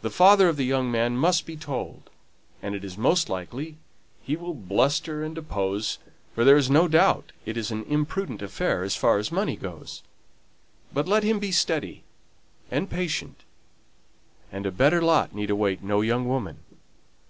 The father of the young man must be told, and it is most likely he will bluster and oppose; for there is no doubt it is an imprudent affair as far as money goes. But let them be steady and patient, and a better lot need await no young woman.